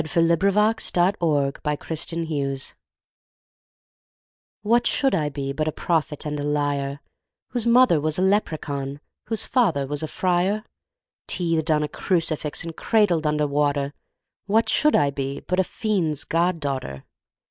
The Singing Woman from the Wood's Edge WHAT should I be but a prophet and a liar, Whose mother was a leprechaun, whose father was a friar? Teethed on a crucifix and cradled under water, What should I be but a fiend's god daughter?